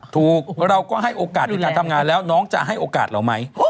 ถูกเราก็ให้โอกาสในการทำงานแล้วน้องจะให้โอกาสเราไหม